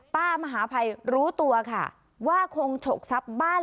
มหาภัยรู้ตัวค่ะว่าคงฉกทรัพย์บ้าน